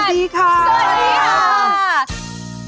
สวัสดีค่ะสวัสดีค่ะ